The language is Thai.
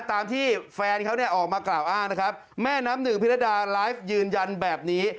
ตามที่แฟนเขาเนี่ยออกมากล่าวอ้างนะครับแม่น้ำหนึ่งพิรดาไลฟ์ยืนยันแบบนี้